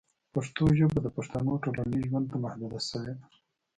پښتو ژبه د پښتنو ټولنیز ژوند ته محدوده شوې ده.